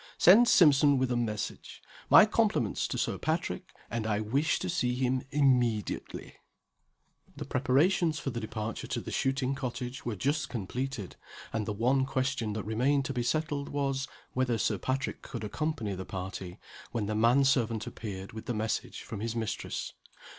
"Send Simpson with a message. My compliments to Sir Patrick and I wish to see him immediately." The preparations for the departure to the shooting cottage were just completed; and the one question that remained to be settled was, whether Sir Patrick could accompany the party when the man servant appeared with the message from his mistress.